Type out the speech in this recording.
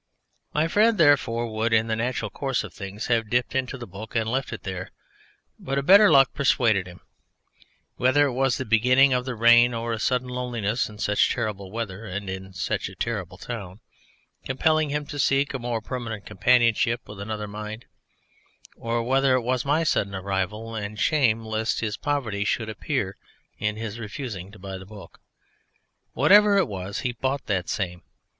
My friend therefore would in the natural course of things have dipped into the book and left it there; but a better luck persuaded him. Whether it was the beginning of the rain or a sudden loneliness in such terrible weather and in such a terrible town, compelling him to seek a more permanent companionship with another mind, or whether it was my sudden arrival and shame lest his poverty should appear in his refusing to buy the book whatever it was, he bought that same.